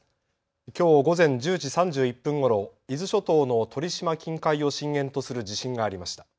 きょう午前１０時３１分ごろ伊豆諸島の鳥島近海を震源とする地震がありました。